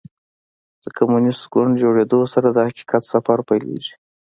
د کمونیسټ ګوند جوړېدو سره د حقیقت سفر پیلېږي.